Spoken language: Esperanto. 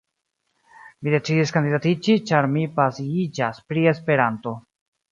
Mi decidis kandidatiĝi ĉar mi pasiiĝas pri Esperanto.